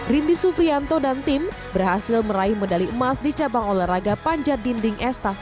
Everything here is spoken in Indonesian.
rindy sufrianto dan tim berhasil meraih medali emas di cabang olahraga panjat dinding estaf